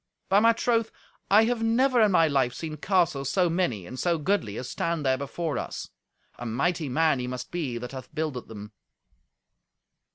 By my troth, I have never in my life seen castles so many and so goodly as stand there before us. A mighty man he must be that hath builded them."